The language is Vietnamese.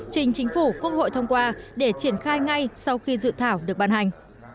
trình chính phủ quốc hội thông qua để triển khai ngay sau khi dự thảo được ban hành